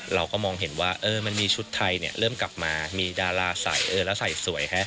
เราก็มองเห็นว่ามันมีชุดไทยเนี่ยเริ่มกลับมามีดาราใส่เออแล้วใส่สวยฮะ